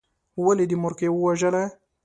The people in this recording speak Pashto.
ولې دې مورکۍ ووژله.